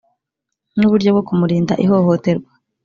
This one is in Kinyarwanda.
n uburyo bwo kumurinda ihohoterwa